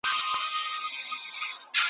ښوونځي د زدهکړې بنسټ جوړوي.